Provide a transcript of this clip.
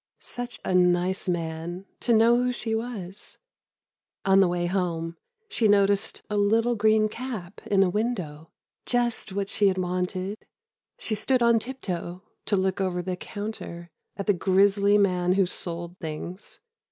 Such a nice man, to know who she was. On the way home, she noticed a little green cap in a window—just what she had wanted.... She stood on tiptoe, to look over the counter, at the grisly man who sold things.